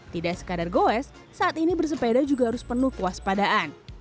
tidak sekadar goes saat ini bersepeda juga harus penuh kuas padaan